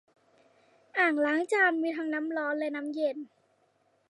อ่างล้างจานมีทั้งน้ำร้อนและน้ำเย็น